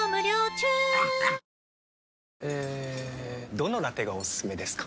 どのラテがおすすめですか？